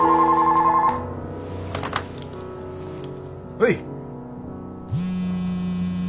☎はい。